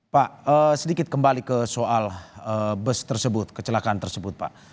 pak sedikit kembali ke soal bus tersebut kecelakaan tersebut pak